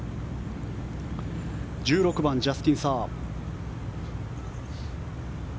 １６番ジャスティン・サー。